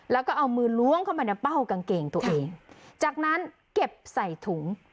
แล้วก็เอามือล้วงเข้ามาในเป้ากางเกงตัวเองจากนั้นเก็บใส่ถุง